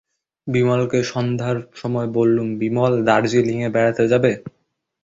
বিমলকে সন্ধ্যার সময় বললুম, বিমল, দার্জিলিঙে বেড়াতে যাবে?